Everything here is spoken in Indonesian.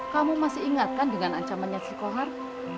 kamu masih ingatkan dengan ancamannya si kohar